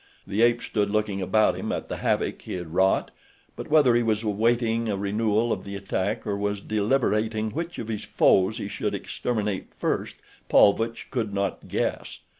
The ape stood looking about him at the havoc he had wrought, but whether he was awaiting a renewal of the attack or was deliberating which of his foes he should exterminate first Paulvitch could not guess.